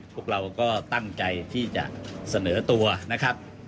พวกเราก็ตั้งใจที่จะเสนอตัวนะครับ